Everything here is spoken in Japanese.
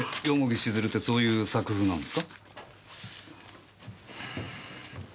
蓬城静流ってそういう作風なんですか？